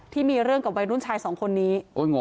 ที่มีเรื่องกับวัยรุ่นชายสองคนนี้